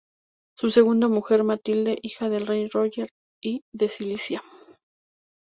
Su segunda mujer, Matilde, hija del rey Roger I de Sicilia.